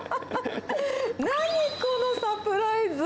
何このサプライズ。